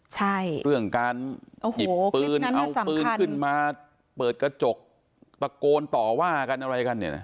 ใช่เรื่องการหยิบปืนเอาปืนขึ้นมาเปิดกระจกตะโกนต่อว่ากันอะไรกันเนี่ยนะ